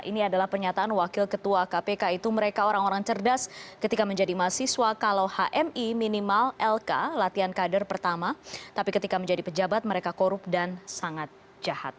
ini adalah pernyataan wakil ketua kpk itu mereka orang orang cerdas ketika menjadi mahasiswa kalau hmi minimal lk latihan kader pertama tapi ketika menjadi pejabat mereka korup dan sangat jahat